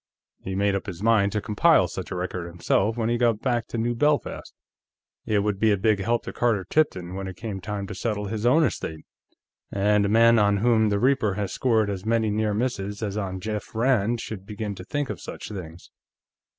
He made up his mind to compile such a record, himself, when he got back to New Belfast. It would be a big help to Carter Tipton, when it came time to settle his own estate, and a man on whom the Reaper has scored as many near misses as on Jeff Rand should begin to think of such things.